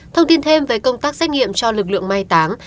thông tin thêm về công tác xét nghiệm cho lực lượng mai táng